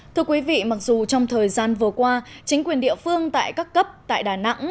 thưa quý vị mặc dù trong thời gian vừa qua chính quyền địa phương tại các cấp tại đà nẵng